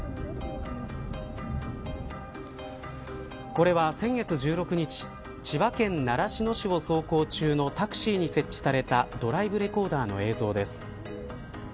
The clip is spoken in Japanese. これは、先月１６日千葉県習志野市を走行中のタクシーに設置されたドライブレコーダーの映像です。